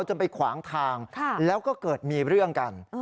จนไปขวางทางแล้วก็เกิดมีเรื่องกัน